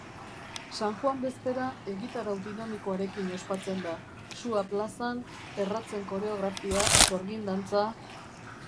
San Juan bezpera egitarau dinamikoarekin ospatzen da: sua plazan, erratzen koreografia, sorgin-dantza...